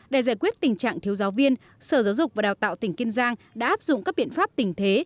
để giải quyết tình trạng thiếu giáo viên sở giáo dục và đào tạo tỉnh kiên giang đã áp dụng các biện pháp tình thế